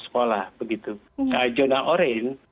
sekolah begitu jurnal oranye